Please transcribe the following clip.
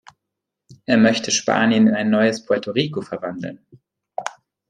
Er möchte Spanien in ein neues Puerto Rico verwandeln.